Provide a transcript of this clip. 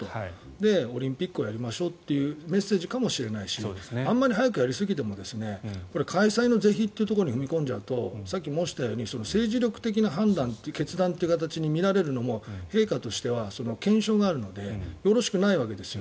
で、オリンピックをやりましょうというメッセージかもしれないしあまり早くやりすぎても開催の是非というところに踏み込んじゃうとさっき申したように政治力的な決断という形に見られるのも陛下としても憲章があるのでよろしくないわけですよ。